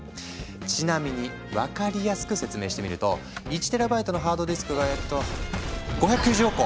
ちなみに分かりやすく説明してみると１ＴＢのハードディスクがえっと５９０億個！